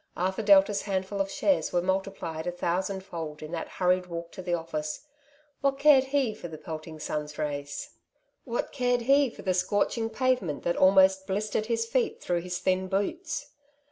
Arthur Delta's handful of shares were multiplied a thousand fold in that hurried walk to the oflSce. What cared he for the pelting sun's rays? What cared he for the scorching pavement that almost blistered his feet through his thin boots?